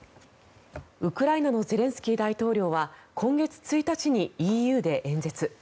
ウクライナのゼレンスキー大統領は今月１日にＥＵで演説。